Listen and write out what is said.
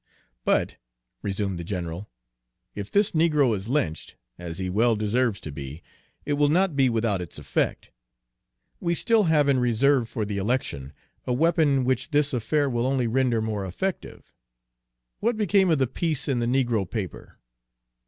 "But," resumed the general, "if this negro is lynched, as he well deserves to be, it will not be without its effect. We still have in reserve for the election a weapon which this affair will only render more effective. What became of the piece in the negro paper?"